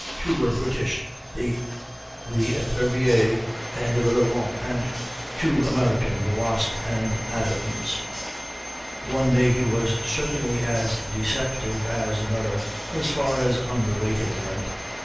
Two were British, the Epervier and Levant, and two American, the Wasp and Adams. One navy was certainly as deceptive as another, as far as underrating went.